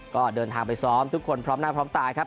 ก็เดินทางไปซ้อมทุกคนพร้อมหน้าพร้อมตาครับ